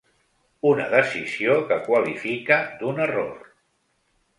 Una decisió que qualifica d’un ‘error’.